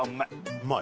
うまい。